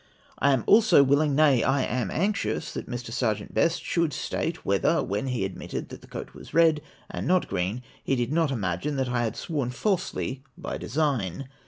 I am also willing, nay, I am anxious, that Mr. Serjeant Best should state, whether, when he admitted that the coat was red, and not green, he did not imagine that I had sworn falsely by design